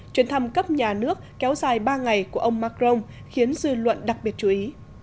chuyến thăm cấp nhà nước kéo dài ba ngày của ông macron khiến dư luận đặc biệt chú ý